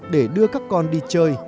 để đưa các con đi chơi